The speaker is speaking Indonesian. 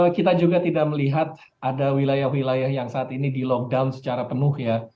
kita juga tidak melihat ada wilayah wilayah yang saat ini di lockdown secara penuh ya